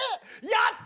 やった！